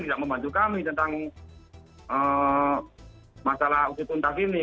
tidak membantu kami tentang masalah uji tuntas ini